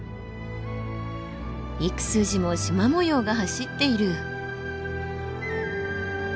幾筋もしま模様が走っている。